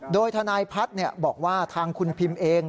โดยทนายพัฒน์บอกว่าทางคุณพิมเอง